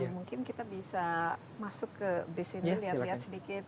mungkin kita bisa masuk ke base ini lihat sedikit